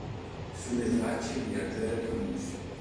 Sulle tracce di Albert Camus".